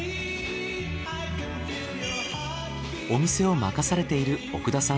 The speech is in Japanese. お店を任されている奥田さん